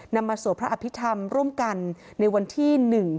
มาสวดพระอภิษฐรรมร่วมกันในวันที่๑